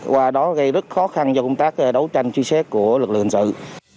qua đó gây rất khó khăn cho công tác đấu tranh truy xét của lực lượng hình sự